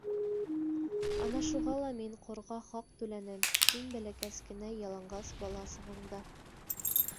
Ана шуға ла мин Ҡорға хаҡ түләнем, һин бәләкәс кенә яланғас бала сағыңда.